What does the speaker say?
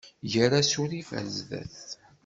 Ger asurif ar zdat!